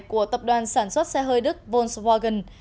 của tập đoàn sản xuất xe hơi đức volkswagen